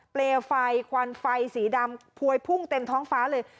เปลวไฟควันไฟสีดำพวยพุ่งเต็มท้องฟ้าเลย